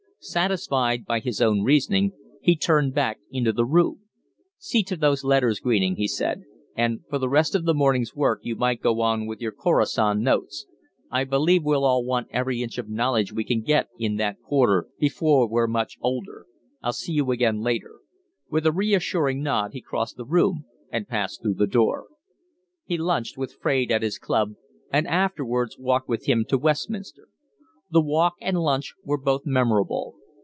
Satisfied by his own reasoning, he turned back into the room. "See to those letters, Greening," he said. "And for the rest of the morning's work you might go on with your Khorasan notes. I believe we'll all want every inch of knowledge we can get in that quarter before we're much older. I'll see you again later." With a reassuring nod he crossed the room and passed through the door. He lunched with Fraide at his club, and afterwards walked with him to Westminster. The walk and lunch were both memorable.